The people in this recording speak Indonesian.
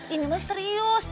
ini mah serius